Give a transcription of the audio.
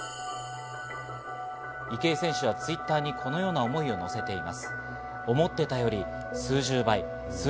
池江選手はＴｗｉｔｔｅｒにこのような思いを乗せています。